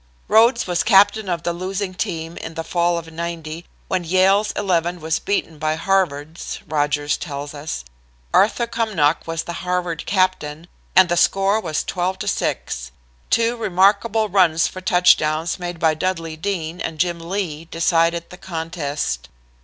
"Rhodes was captain of the losing team in the fall of '90, when Yale's Eleven was beaten by Harvard's," Rodgers tells us. "Arthur Cumnock was the Harvard captain, and the score was 12 to 6. Two remarkable runs for touchdowns made by Dudley Dean and Jim Lee decided the contest.